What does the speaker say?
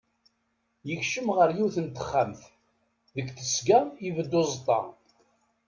Yekcem ɣer yiwet n texxamt, deg tesga ibedd uẓeṭṭa.